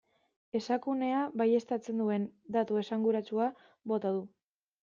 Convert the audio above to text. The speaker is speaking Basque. Esakunea baieztatzen duen datu esanguratsua bota du.